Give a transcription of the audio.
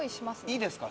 いいですか？